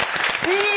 いい！